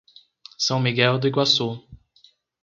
São Miguel do Iguaçu